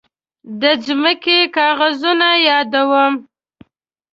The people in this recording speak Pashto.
د ځمکې کاغذونه يادوم.